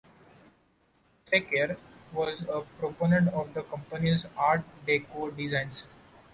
Sakier was also a proponent of the company's Art Deco designs.